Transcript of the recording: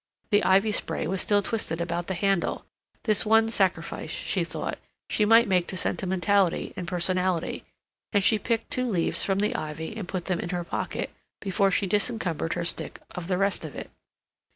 The ivy spray was still twisted about the handle; this one sacrifice, she thought, she might make to sentimentality and personality, and she picked two leaves from the ivy and put them in her pocket before she disencumbered her stick of the rest of it.